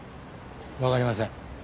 わかりません。